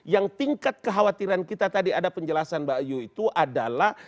yang tingkat kekhawatiran kita tadi ada penjelasan mbak ayu itu adalah